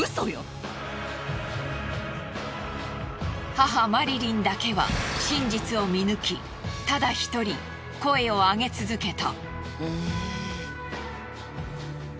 母マリリンだけは真実を見抜きただ一人声を上げ続けた。